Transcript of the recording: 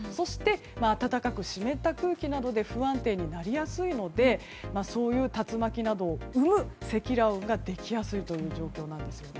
暖かく湿った空気などで不安定になりやすいのでそういう竜巻などを生む積乱雲などができやすいという状況なんです。